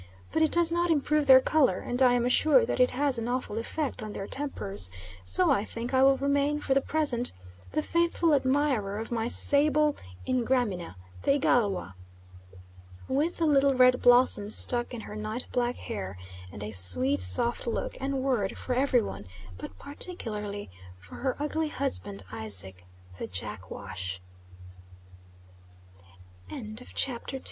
But it does not improve their colour, and I am assured that it has an awful effect on their tempers, so I think I will remain, for the present, the faithful admirer of my sable Ingramina, the Igalwa, with the little red blossoms stuck in her night black hair, and a sweet soft look and word for every one, but particularly for her ugly husband Isaac the "Jack Wa